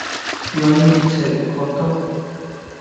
Johnny Cecotto Jr.